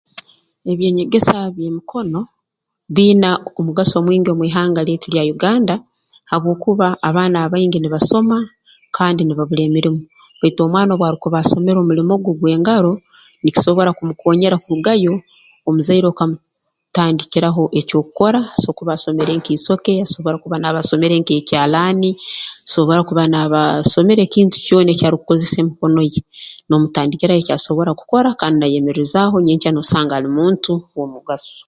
Eby'enyegesa by'emikono biine omugaso mwingi omu ihanga lyaitu lya Uganda habwokuba abaana abaingi nibasoma kandi nibabura emirimo baitu omwana obu arukuba asomere omulimo gwe gw'engaro nikisobora kumukoonyeera kurugayo omuzaire okamutandikira eky'okukora asobora kuba asomere nk'isoke asobora kuba naaba asomere nk'ekyalaani asobora kuba naaba asomere ekintu kyona eki arukukozesa emikono ye n'omutandikiraho eki asobora kukora kandi naayeyemerezaaho nyenkya noosanga ali muntu w'omugaso